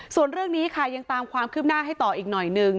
ส่วนเรื่องนี้ค่ะยังตามความคืบหน้าให้ต่ออีกหน่อยหนึ่ง